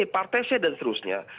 partai c dan seterusnya